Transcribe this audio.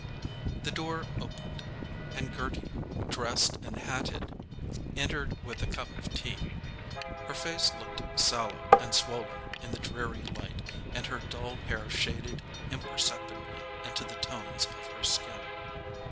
The door opened, and Gerty, dressed and hatted, entered with a cup of tea. Her face looked sallow and swollen in the dreary light, and her dull hair shaded imperceptibly into the tones of her skin.